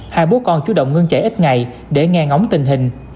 hai bố con chủ động ngưng chạy ít ngày để ngang ống tình hình